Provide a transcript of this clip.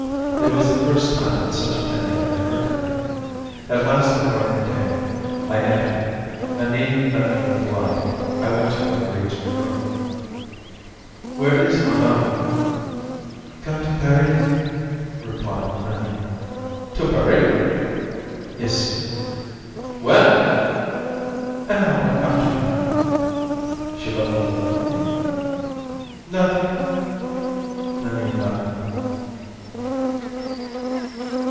It was the first time that such a thing had occurred to me. At last the gardener came. I entered. Nanine met me with a light. I went to Marguerite's room. "Where is madame?" "Gone to Paris," replied Nanine. "To Paris!" "Yes, sir." "When?" "An hour after you." "She left no word for me?" "Nothing." Nanine left me.